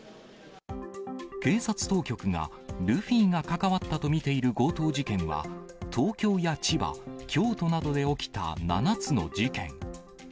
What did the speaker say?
警察当局が、ルフィがかかわったと見ている強盗事件は東京や千葉、京都などで起きた７つの事件。